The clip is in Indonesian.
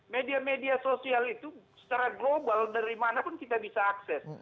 media media sosial itu secara global dari mana pun kita bisa akses